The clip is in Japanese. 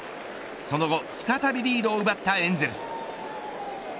その後、再びリードを奪ったエンゼルス。